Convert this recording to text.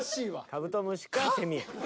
［カブトムシかセミや］